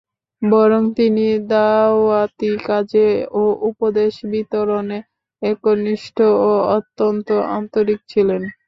বরং তিনি দাওয়াতী কাজে ও উপদেশ বিতরণে একনিষ্ঠ ও অত্যন্ত আন্তরিক ছিলেন।